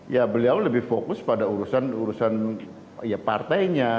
ya beliau lebih fokus pada urusan partainya